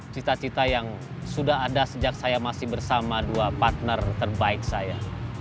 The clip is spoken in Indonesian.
cita cita yang sudah ada sejak saya masih bersama dua partner terbaik saya